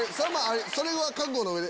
それは覚悟の上で。